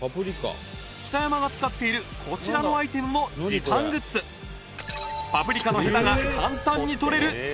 北山が使っているこちらのアイテムも時短グッズパプリカのヘタが簡単に取れる優れもの！